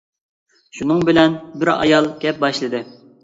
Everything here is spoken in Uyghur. شۇنىڭ بىلەن بىر ئايال گەپ باشلىدى.